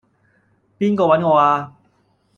邊個搵我呀?